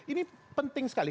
ini penting sekali